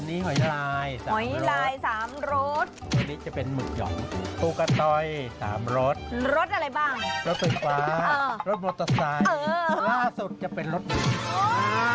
อันนี้หอยลาย๓รสอันนี้จะเป็นหมึกหย่อฟูกะตอย๓รสรสอะไรบ้างรสเป็นฟ้ารสโมทอสไซค์ล่าสุดจะเป็นรสโอ้โห้ย